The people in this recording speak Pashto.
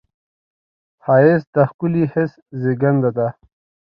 ښایست د ښکلي حس زېږنده ده